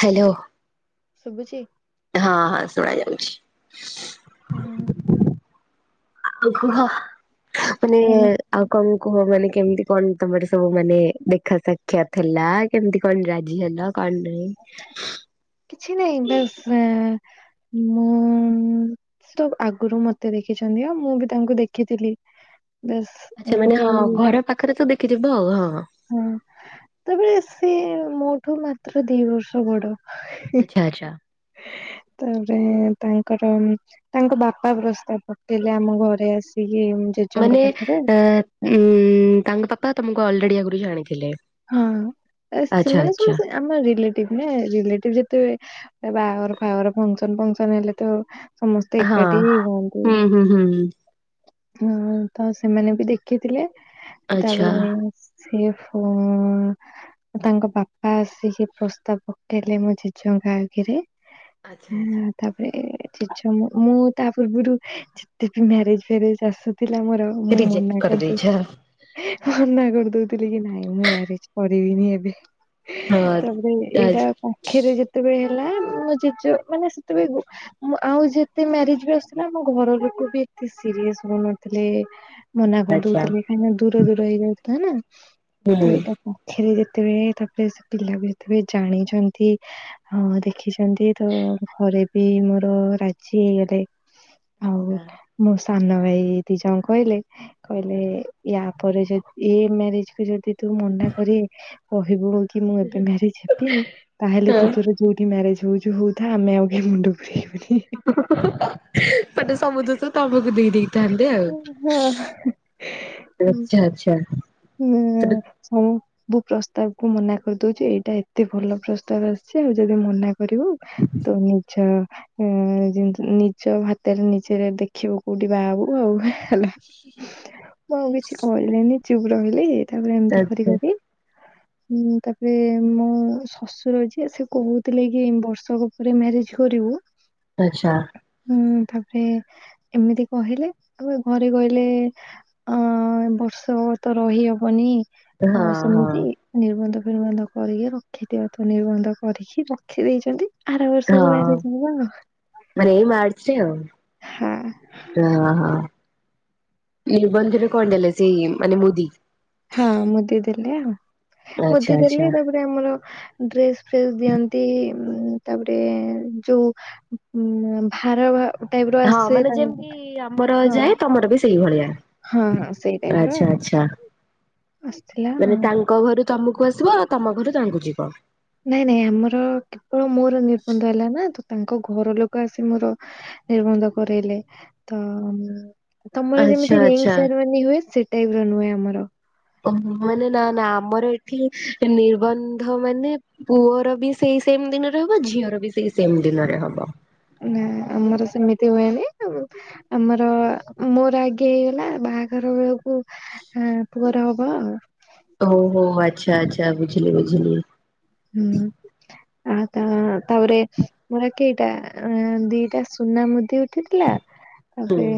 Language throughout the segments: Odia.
ହ୍ୟାଲୋ ଶୁଭୁଛି? ହଁ ହଁ ଶୁଣା ଯାଉଛି। ହୁଁ। କୁ-କୁହ ମାନେ ଆରେ ମୁଁ ଆଉ କଣ କୁହ। ମାନେ କେମିତି କଣ ତମର ସବୁ ମାନେ ଦେଖା ସାକ୍ଷାତ୍ ହେଲା କେମିତି କଣ ରାଜି ହେଲ? କଣ ନାଇଁ କିଛି ନାଇଁ ବାସ୍ ମୁଁ ସେତ ଆଗରୁ ମତେ ଦେଖିଛନ୍ତି ଆଉ ମୁଁ ବି ତାଙ୍କୁ ଦେଖିଥିଲି। ବାସ୍। ଆଚ୍ଛା। ମାନେ ଏମିତି ହଁ ଘର ପାଖରେ ତ ଦେଖିଥିବ ଆଉ ହଁ। ହଁ। ତେବେ ସେ ମୋଠୁ ମାତ୍ର ଦି ବର୍ଷ ବଡ଼। ଆଚ୍ଛା ଆଚ୍ଛା। ତାପରେ ତାଙ୍କର ତାଙ୍କ ବାପା ପ୍ରସ୍ତାବ ପକେଇଲେ। ଆମ ଘରେ ଆସିକି ଏମିତି ମାନେ ଏ ଉ ତାଙ୍କ ବାପା ତମକୁ ଆଲ୍ରେଡି ଆଗରୁ ଜାଣିଥିଲେ। ହଁ। ଏ ଆଚ୍ଛା ସେମାନେ ଆଚ୍ଛା ସମସ୍ତେ ଆମ ରିଲେଟିଭ୍ ନା। ରିଲେଟିଭ୍ ଯେତେବେଳେ ଏ ବାହାଘର ଫାହାଘର ଫଙ୍କ୍ସନ୍ ଫଙ୍କ୍ସନ୍ ହେଲେ ତ ସମସ୍ତେ ହଁ ଏକାଠି ହିଁ ହୁଅନ୍ତି। ହୁଁ -ହୁଁ -ହୁଁ। ହୁଁ ତ ସେମାନେ ବି ଦେଖିଥିଲେ ଆଚ୍ଛା। ତାପରେ ସିଏ ଫୋନ୍ ତାଙ୍କ ପାପା ଆସିକି ପ୍ରସ୍ତାବ ପକେଇଲେ ମୋ ଜେଜେଙ୍କ ଆଗେରେ। ଆଚ୍ଛା ଆଚ୍ଛା ହେଲା ତାପରେ ଏ- ଜେଜେଙ୍କୁ ମୁଁ ତା ପୂର୍ବରୁ ଯେତେବି ମ୍ୟାରେଜ୍ ଫ୍ୟାରେଜ୍ ଆସୁଥିଲା ମୋର ମୁଁ ରିଜେକ୍ଟ ମନା କରିଦଉ କରିଦେଇଛ ମନା କରିଦଉଥିଲି କି ନାଇଁ ମୁଁ ମ୍ୟାରେଜ୍ କରିବିନି ଏବେ। ହଁ। ତାପରେ ଆଚ୍ଛା ଏଇଟା [unintelligible] ଯେତେବେଳେ ହେଲା ମୋ ଜେଜେ ମାନେ ସେତେବେଳେ ମୁଁ -ଆଉ ଯେତେ ମ୍ୟାରେଜ୍ ବି ଆସୁଥିଲା ଆମ ଘର ଲୋକ ବି ଏତେ ସିରିଏସ୍‌ ହଉନଥିଲି ମନା କରି ଆଚ୍ଛା ଦଉଥିଲି କାହିଁକିନା ଦୂର ଦୂର ହେଇଯାଉଥିଲା ନା। ତ ହୁଁ। ଏଇଟା ପାଖେରେ ଯେତେବେଳେ ତାପରେ ସେ ପିଲାକୁ [unintelligible] ଜାଣିଚନ୍ତି ହଁ ଦେଖିଚନ୍ତି ତ ଘରେ ବି ମୋର ରାଜି ହେଇଗଲେ। ଆଉ ମୋ ସାନ ଭାଇ ଦି ଜଣ କହିଲେ- କହିଲେ ୟା ପରେ ଯଦି ଏ ମ୍ୟାରେଜ୍ କୁ ଯଦି ତୁ ମନା କରି କହିବୁ କି ମୁଁ ଏବେ ମ୍ୟାରେଜ୍ ହେବିନି ତାହେଲେ ତୁ ତୋର ଯୋ ଯଉଠି ମ୍ୟାରେଜ୍ ହଉଚୁ ହଉଥା ଆମେ ଆଉ କିଏ ମୁଣ୍ଡ ପୁରେଇବୁନି। [unintelligible] ହଁ। କାନ୍ଦେ ଆଉ। ହୁଁ। ହଉ ସେଟା ସବୁ ପ୍ରସ୍ତାବକୁୁ ମନା କରିଦଉଚି। ଏଇଟା ଏତେ ଭଲ ପ୍ରସ୍ତାବ ଆସିଚି ଆଉ ଯଦି ମନା କରିବୁ ତ ନିଜ ହୁଁ- ନିଜ ହାତେରେ ନିଜେ ଦେଖିବୁ କଉଠି ବାହାହବୁ ଆଉ ହେଲା। ହିଁ ହିଁ ହିଁ। ମୁଁ ଆଉ କିଛି କହିଲିନି ଚୁପ୍ ରହିଲି ତାପରେ ଏମିତି କରି ଆଚ୍ଛା କରି [inaudible] ହୁଁ- ତାପରେ ମୋ ଶଶୁର ଯିଏ ସିଏ କହୁଥିଲେ କି ବର୍ଷକ ପରେ ମ୍ୟାରେଜ୍ କରିବୁ ଆଚ୍ଛା। ହୁଁ-ତାପରେ ଏମିତି କହିଲେ ଆଉ ଘରେ କହିଲେ ଆଁ -ଏ-ବର୍ଷ ତ ରହି ହବନି ହଁ ଆଉ ହଁ ସେମିତି ନିର୍ବନ୍ଧ ଫିର୍ବନ୍ଧ କରିକି ରଖିଦିଅନ୍ତୁ ନିର୍ବନ୍ଧ କରିକି ରଖି ଦେଇଚନ୍ତି। ଆର ବର୍ଷକୁ ହଁ ମ୍ୟାରେଜ୍ ହବ ଆଉ। ମାନେ ଏଇ ମାର୍ଚ୍ଚ ଆଉ। ହଁ। ଓ ହ ନିର୍ବନ୍ଧ ରେ କଣ ଦେଲେ ସେଇ ମାନେ ମୁଦି? ହଁ ମୁଦି ଦେଲେ ଆଉ ଆଚ୍ଛା ମୁଦି ଆଚ୍ଛା ଦେଲେ ତାପରେ ଆମର ଡ୍ରେସ୍ ଫ୍ରେସ୍ ଦିଅନ୍ତି ତାପରେ ଯଉ ଉଁ- ଭାର ଟାଇପ ର ହଁ ଆସେ ମାନେ ତାଙ୍କୁ ଯେମିତି ଆମର ହଁ ଯାଏ ତମର ବି ସେଇଭଳିଆ। ହଁ ହଁ ସେଇ ଟାଇପ୍ ର ଆଚ୍ଛା ଆଚ୍ଛା ଆସିଥିଲା ମାନେ ଆଉ। ତାଙ୍କ ଘରୁ ତମକୁ ଆସିବ ଆଉ ତମ ଘରୁ ତାଙ୍କୁ ଯିବ। ନାଇଁ ନାଇଁ ଆମର କେବଳ ମୋର ନିର୍ବନ୍ଧ ହେଲା ନା ତ ତାଙ୍କ ଘର ଲୋକ ଆସି ମୋର ନିର୍ବନ୍ଧ କରଇଲେ ତ ତମର ଆଚ୍ଛା ଯେମିତି ରିଙ୍ଗ୍ ଆଚ୍ଛା ସେରିମନି ହୁଏ ସେ ଟାଇପ୍ ର ନୁହେଁ ଆମର। ଓ ହ ମାନେ ନା ନା ଆମର ଏଠି ନିର୍ବନ୍ଧ ମାନେ ପୁଅର ବି ସେଇ ସେମ୍ ଦିନରେ ହବ ଝିଅର ବି ସେଇ ସେମ୍ ଦିନରେ ହବ। ନା ଆମର ସେମିତି ହୁଏନି ଆମ ଆମର ମୋର ଆଗେ ହେଇଗଲା ବାହାଘର ବେଳକୁ ହଁ ପୁଅର ହବ ଆଉ। ହୋଉ ହୋଉ ଆଚ୍ଛା ଆଚ୍ଛା ବୁଝିଲ ବୁଝଲି। ହୁଁ ଆ ତା ତାପରେ ମୋର କେଇଟା ଅଁ ଦିଟା ସୁନା ମୁଦି ଉଠିଥିଲା। ତାପରେ ହୁଁ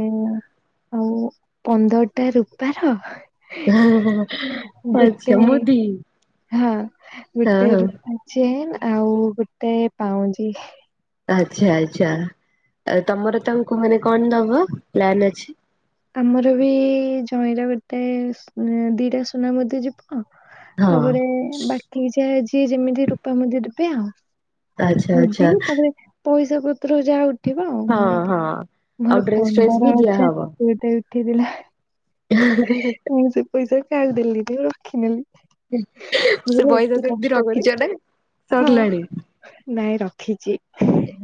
ଆଉ ପନ୍ଦରଟା ରୂପାର ଗୋଟେ ଆଚ୍ଛା ମୋଦି ହଁ ଗୋ ହଁ ହଁ ଚେନ୍ ଆଉ ଗୋଟେ ପାଉଁଜି। ଆଚ୍ଛା ଆଚ୍ଛା ଆଉ ତମର ତାଙ୍କୁ ମାନେ କଣ ଦବ ପ୍ଲନ୍ ଅଛି। ଆମର ବି ଜଇଁର ଗୋଟେ ସ ଦିଟା ସୁନା ମୁଦି ଯିବ। ଅ ହଁ ତାପରେ ବାକି ଯା ଯିଏ ଯେମିତି ରୂପା ମୁଦି ଦେବେ ଆଉ। ଆଚ୍ଛା ଆଚ୍ଛା ମୁଦି ତାପରେ ପଇସା ପତ୍ର ଯାହା ଉଠ ଉଠିବ ଆଉ ହଁ ମୋର ହଁ। କେତେ ଆଉ ମୋର ଡ୍ରେସ୍ ଫ୍ରେସ୍ ବି ପନ୍ଦର ହଜାର ଦିଆହବ କେତେ ଗୋଟେ ଉଠିଥିଲା। [unintelligible] ମୁଁ ସେ ପଇସା କାହାକୁ ଦେଲିିନି ରଖି ନେଲି। ମୁଁ ସେ କହିଲି ପଇସା ଏତେ ସେମିତି କଷ୍ଟ କରି ରଖିଛ ନା ହଁ ସରିଲାଣି? ନାଇଁ ରଖିଚି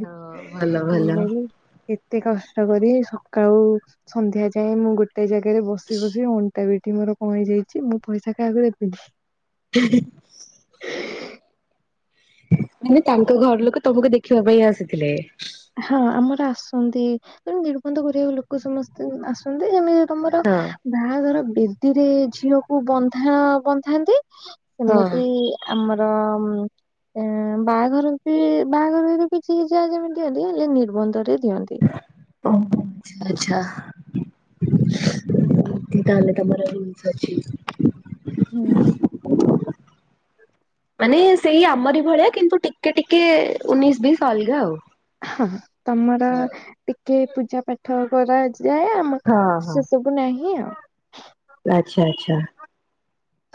ହଁ ଭଲ ଭଲ କହିଲି ଏ ଏତେ କଷ୍ଟ କରି ସକାଳୁ ସନ୍ଧ୍ୟା ଯାଏଁ ମୁଁ ଗୋଟେ ଜାଗାରେ ବସି ବସି ଅନ ଣ୍ଟା ପିଠି ମୋର କଣ ହେଇ ଯାଇଚି ମୁଁ ପଇସା କାହାକୁ ଦେବିନି। [unintelligible] ମାନେ ତାଙ୍କ ଘର ଲୋକ ତମକୁ ଦେଖିବା ପାଇଁ ଆସିଥିଲେ। ହଁ ଆମର ଆସନ୍ତି ତେଣୁ ନିର୍ବନ୍ଧ କରିବାକୁ ଲୋକ ସମସ୍ତେ ଆସନ୍ତି ଯେମି ତମର ହଁ ବାହାଘର ବେଦିରେ ଝିଅକୁ ବନ୍ଧା ବନ୍ଧାନ୍ତି। ହଁ ସେମିତି ଆମର ଏଁ ବାହାଘର ବି ବାହାଘର ବି ବି କିଛି କି ଯାହା ଯେମିତି ଦିଅନ୍ତି ହେଲେ ନିର୍ବନ୍ଧରେ ଦିଅନ୍ତି। ଓହୋ ଆଛା ଆଚ୍ଛା। ତାହେଲେ ତମର ରୁଲସ୍ ଅଛି। ହୁଁ। ମାନେ ସେଇ ଆମରି ଭଳିଆ କିନ୍ତୁ ଟିକେ ଟିକେ ଉନେଇଶି ବିଶ ଅଲଗା ଆଉ। ହଁ ତମର ଟିକେ ପୂଜା ପାଠ କରାଯାଏ ଆମ ହଁ ସେ ସବୁ ବୁ ନାହିଁ ଆଉ। ଅଚ୍ଛା ଆଚ୍ଛା।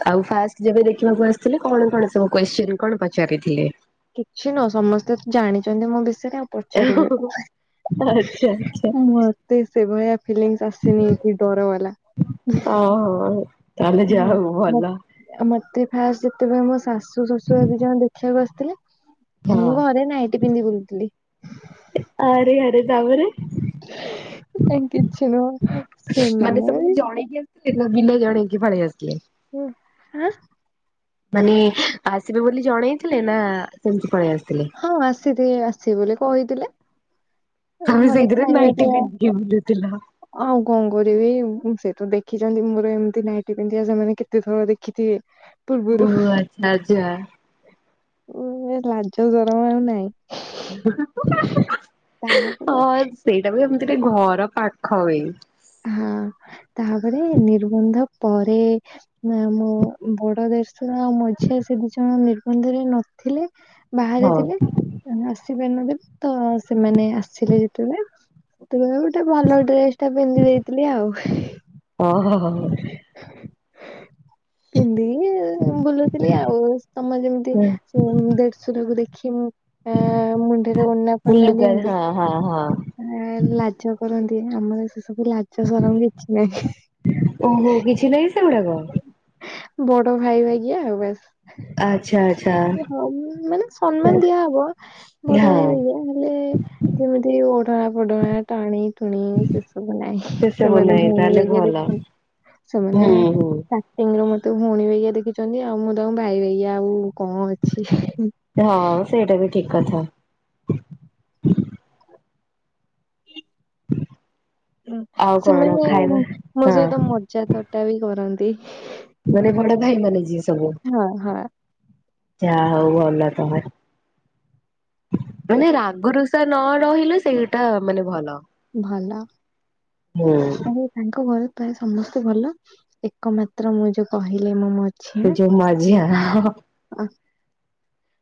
ଆଉ ଫାଷ୍ଟ ଯେବେ ଦେଖିବାକୁ ଆସିଥିଲେ କଣ କଣ ସବୁ କୋଶ୍ଚିନ କଣ ପଚାରିଥିଲେ? କିଛି ନୁହଁ ସମସ୍ତେ ତ ଜାଣିଚନ୍ତି ମୋ ବିଷୟରେ ଆଉ ପଚାରିବେ କଣ। ଆଚ୍ଛା ଆଚ୍ଛା ମତେ ସେଭଳିଆ ଫିଲିଙ୍ଗସ୍ ଆସିନି କି ଡର ବାଲା। ଓ ହଁ ହଁ ତାହେଲେ ଯାହା ହବ ଭଲ। ଆଉ ମତେ ଫାଷ୍ଟ ଯେତେବେଳେ ମୋ ଶାଶୁ ଶଶୁର ଦି ଜଣ ଦେଖିବାକୁ ଆସିଥିଲେ। ହଁ। ମୁଁ ଘରେ ନାଇଟି ପିନ୍ଧି ବୁଲୁଥିଲି। ଆରେ ଆରେ ତାପରେ ଏଁ କିଛି ନୁହଁ ସେମାନେ ବି ସେ ଦିନ ବି ନ ଜଣେଇକି ପଳେଇ ଆସଥିଲେ। ହୁଁ ଆଁ? ମାନେ ଆସିବେ ବୋଲି ଜଣେଇଥିଲେ ନା ସେମିତି ପଳେଇ ଆସିଥିଲେ? ହଁ ଆସିଥି ଆସିିବ ବୋଲି କହିଥିଲେ। ତମେ ଘରେ ସେଇଥିରେ ଖାଇବା ନାଇଟି ପିଇବା ପିନ୍ଧିକି ବୁଲୁଥିଲ। ଆଉ କଣ କରିବି ସେ ତ ଦେଖିଚନ୍ତି ମୋର ଏମିତି ନାଇଟି ପିନ୍ଧିବା ସେମାନେ କେତେଥର ଦେଖିଥିଏ ଓ ପୂର୍ବୁରୁ, ଆଚ୍ଛା ଆଚ୍ଛା ମୁହେଁ ଲାଜ ସରମ ଆଉ ନାଇଁ। [inaudible] ହଁ ସେଇଟା ବି ଏମିତିରେ ଘର ପାଖ ବି। ହଁ ତାପରେ ନିର୍ବନ୍ଧ ପରେ ନା ମୋ ବଡ ଦେଢଶୁର ଆ ମଝିଆ ସେ ଦି ଜଣ ନିର୍ବନ୍ଧରେ ନଥିଲେ। ବାହାରେ ହଁ ଥିଲେ ସେମାନେ ଆସିପାରିନଥିଲେ ତ ସେମାନେ ଆସିଲେ ଯେତେଳେ ସେତେବେଳେ ଗୋଟେ ଭଲ ଡ୍ରେସ୍ ଟା ପିନ୍ଧି ଦେଇଥିଲି ଆଉ। ଓ ହୋ ହୋ ହୋ। [inaudible] ପିନ୍ଧିକ ବୁଲୁଥିଲି ଆଉ ତମେ ଯେମିତି ହୁଁ। ଉଁ ଦେଢଶୁରକୁୁ ଦେଖି ମୁଁ ଆ ମୁଣ୍ଡରେ ଓଢନା ଫୋଡନା ଲୁଗା ଦିଅନ୍ତି ହଁ ହଁ ହଁ ଆଁ ଲାଜ କରନ୍ତି ଆମର ସେ ସବୁ ଲାଜ ସରମ କିଛି ନାହିଁ। ହେଁ ହେଁ। ଓହୋ କିଛି ନାଇଁ ସେଗୁରାକ? ବଡ ଭାଇ ବାଗିଆ ଆଉ ବାସ୍। ଆଚ୍ଛା ଆଚ୍ଛା। ହଁ ମାନେ ସମ୍ମାନ ଦିଆହବ ବଡ ହଁ। ଭାଇ ବାଗିଆ ହେଲେ ଯେମିତି ଓଢଣା ଫୋଢଣା ଟାଣି ଟୁଣି ସେସବୁ ନାହିଁ ସେସବୁ ସେମାନେ ନାହିଁ ଭଉଣୀ ତାହେଲେ ବାଗିଆ ଭଲ ଦେଖନ୍ତି। ହୁଁ ସେମାନେ ହୁଁ ତା ସେମାନେ ମତେ ଭଉଣୀ ବାଗିଆ ଦେଖୁଚନ୍ତି ଆଉ ମୁଁ ତାଙ୍କୁ ଭାଇ ବଗିଆ ଆଉ କଣ ଅଛି। ହଁ ସେଇଟା ବି ଠିକ୍ କଥା। ହ ଆଉ କଣ ସେମାନେ ଖାଇବା ହଁ ମୋ ସହିତ ମଜା ଥଟା ବି କରନ୍ତି। ମାନେ ବଡ ଭାଇ ମାନେ ଯିଏ ସବୁ। ହଁ ହଁ। ଯାହା ହଉ ଭଲ ତମର। ମାନେ ରାଗରୁଷା ନ ରହିଲେ ସେଇଟା ମାନେ ଭଲ। ଭଲ ହୁଁ [inaudible] ତାଙ୍କ ଘରେ ପ୍ରାୟ ସମସ୍ତେ ଭଲ, ଏକମାତ୍ର ମୁଁ ଯୋଉ କହିଲି ମୋ ମ ତ ଯୋ ମାଝିଆ ହ ହ। ଅ,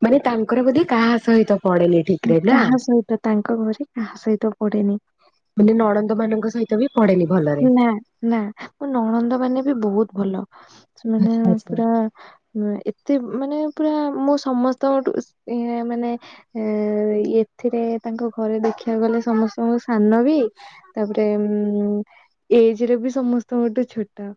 ମାନେ ତାଙ୍କର ବୋଧେ କାହା ସହିତ ପଡେନି। ଠିକ ରେ ନା କାହା ସହିତ ତାଙ୍କ ଘରେ କାହା ସହିତ ପଡେନି। ମାନେ ନଣନ୍ଦ ମାନଙ୍କ ସହିତ ବି ପଡେନି ଭଲରେ। ନା ନା ମୋ ନଣନ୍ଦ ମାନେ ବି ବହୁତ୍ ଭଲ। ସେମାନେ ଆଚ୍ଛା ଆଚ୍ଛା ପୁରା ଉଁ ଏତେ ମାନେ ପୁରା ମୁଁ ସମସ୍ତଙ୍କଠୁ ସ୍- ଇଏଁ ମାନେ ଏଁ ଇଏଥିରେ ତାଙ୍କ ଘରେ ଦେଖିବାକୁ ଗଲେ ସମସ୍ତେ ତ ମୁଁ ସାନ ବି, ତାପରେ ଉଁ ଏଜ୍ ରେ ବି ସମସ୍ତଙ୍କଠୁ ଛୋଟ।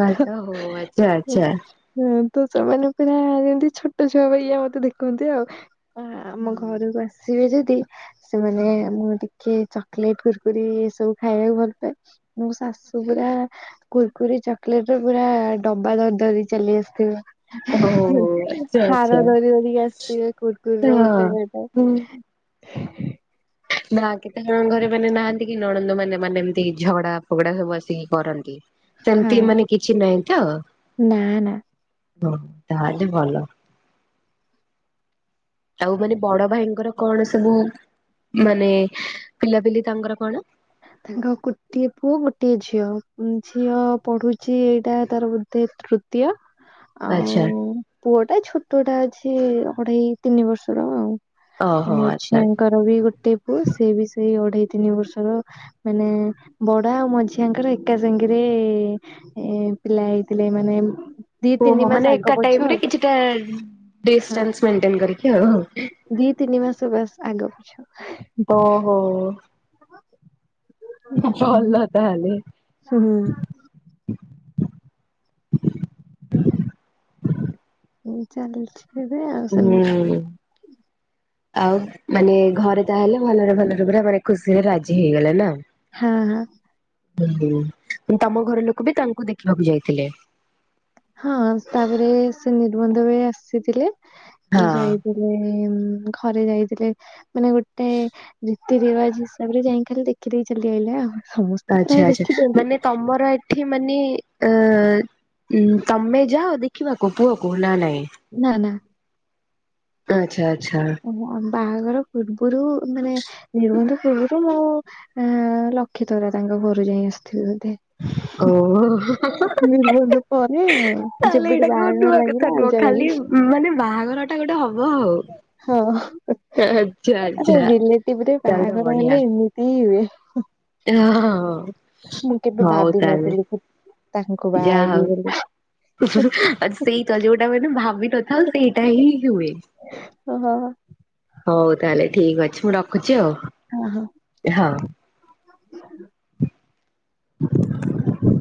ତାହେଲେ ହଉ ଆଚ୍ଛା ଆଚ୍ଛା। ହୁଁ ତ ସେମାନେ ପୁରା ଯେମତି ଛୋଟ ଛୁଆ ପରିଆ ମତେ ଦେଖନ୍ତି ଆଉ। ହଁ ଆମ ହୁଁ। ଘରୁକୁ ଆସିବେ ଯଦି ସେମାନେ ହୁଁ। ମୁଁହ ଦି କିଏ ଚକୋଲେଟ କୁରକୁରି ଏ ସବୁ ଖାଇବାକୁ ଭଲ ପାଏ ମୋ ଶାଶୁ ପୁରା କୁୁରୁକୁରି ଚକଲେଟ ର ପୁରା ଡବା ଧର ଧରି ଚାଲି ଓହୋ ଆସିଥିବେ ଆଚ୍ଛା ଆଚ୍ଛା ହାର ଧରି ଧରିକି ଆସିଥିବେ କୁୁରୁକୁୁରି ର ହଁ। ଗୋଟେ ଗୋଟେ ହୁଁ ନା କେତେ ଜଣ ଘରେ ମାନେ ନାହାନ୍ତି କି ନଣନ୍ଦ ମାନେ ମାନେ ଏମିତି ଝଗଡା ଫଗଡା ସବୁ ଆସିକି କରନ୍ତି ହଁ ସେମିତି ମାନେ କିଛି ନାହିଁ ତ? ନା ନା ତ ତାହେଲେ ଭଲ। ଆଉ ମାନେ ବଡ ଭାଇଙ୍କର କଣ ସବୁ ମାନେ ପିଲାପିଲି ତାଙ୍କର କଣ? ତାଙ୍କ ଗୋଟିଏ ପୁଅ ଗୋଟିଏ ଝିଅ, ଝିଅ ପଢୁଛି ଏଇଟା ତାର ବୋଧେ ତୃତୀୟ। [inaudible] ଆଉ ପୁଅ ଟା ଛୋଟଟା ଅଛି ଅଢେଇ ତିନି ବର୍ଷର ଆଉ। ଆଉ ଓହୋ ଆଚ୍ଛା। ମଝିଆଙ୍କର ବି ଗୋଟେ ପୁଅ ସିଏ ବି ସେଇ ଅଢେଇ ତିନି ବର୍ଷର ମାନେ ବଡ ଆଉ ମଝିଆଙ୍କର ଏକା ସାଙ୍ଗେରେ ଏ ପିଲା ହେଇଥିଲେ ମାନେ ଦି ତିନି ଓହୋ ମାସ ମାନେ ଆଗ ଏକା ପଛ ଟାଇମ୍ କିଛିଟା ହଁ ଡିଷ୍ଟାନ୍ସ ମେଣ୍ଟେନ କରିକି ଆଉ। ଦି ତିନି ମାସ ବାସ୍ ଆଗ ପଛ। ଓହୋ। ଭଲ ତାହେଲେ ହୁଁ। ହୁଁ ଚାଲିଛି। ଏବେ ଆଉ ସେମିତି ହୁଁ। ଆଉ ମାନେ ଘରେ ତାହେଲେ ଭଲରେ ଭଲରେ ପୁରା ମାନେ ଖୁସିରେ ରାଜି ହେଇଗଲା ନା, ହଁ ହଁ। ହୁଁ ହୁଁ। ତମ ଘର ଲୋକ ବି ତାଙ୍କୁ ଦେଖିବାକୁ ଯାଇଥିଲେ ହଁ ତାପରେ ସେ ନିର୍ବନ୍ଧ ବେଳେ ଆସିଥିଲେ ଏ ହଁ। ଯାଇ ଉନ୍ ଘରେ ଯାଇଥିଲେ ମାନେ ଗୋଟେ ରୀତି ରିବାଜ ହିସାବରେ ଯାଇକି ଖାଲି ଦେଖି ଦେଇ ଚାଲି ଆଇଲେ ଆଉ। ସମସ୍ତେ ପ୍ରାୟ ଆଚ୍ଛା ଆଚ୍ଛା ଦେଖିଛନ୍ତି ମାନେ ତମର ଏଠି ମାନେ ଅ ଉନ୍ ତମେ ଯାଅ ଦେଖିବାକୁ ପୁଅକୁ ନା ନାଇଁ? ନା ନା। ଆଚ୍ଛା ଆଚ୍ଛା। ଓ ବାହାଘର ପୂର୍ବରୁ ମାନେ ନିବନ୍ଧ ପୂର୍ବରୁ ଆ ଲକ୍ଷେ ତରା ତାଙ୍କ ଘରୁ ଯାଇ ଆସିଥିଲୁ ବୋଧେ। ଓହୋ ହୋ ନିବନ୍ଧ ପରେ ତାହେଲେ ଯେବେଠୁ ଏଇଟାକୁ ବାହାଘର ନୁଆ ଲାଗିଲା କଥା ଆଉ ନୁହଁ ଯାଇନି। ଖାଲି ମାନେ ବାହାଘର ଟା ଗୋଟେ ହବ ଆଉ। ହଁ ଆଚ୍ଛା ଆ ଆଚ୍ଛା ଲିଲେଟିଭରେ ତାହେଲେ ତ ବାହାଘର ବଢିଆ। ହେଲେ ଏମିତି ହିଁ ହୁଏ। ହଁ ମୁଁ କେବେ ହଉ ଭାବି ତାହେଲେ ନଥିଲି କି ତାଙ୍କୁ ବାହା ଯାହା ହଉ ହେବିି ବୋଲି। ସେଇ ତ ଯୋଉଟା ମାନେ ଭାବିନଥାଉ ସେଇଟା ହିଁ ହୁଏ। ଓହୋ ହୋ। ହଉ ତାହେଲେ ଠିକ୍ ଅଛି ମୁଁ ରଖୁଛି ଆଉ। ହଁ ହଉ। ହଉ। [inaudible]